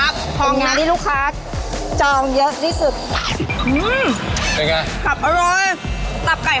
แต่ตอนเนี้ยมันเยอะจัก